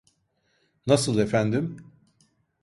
Nasıl efendim?